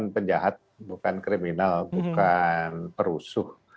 penjahat bukan kriminal bukan perusuh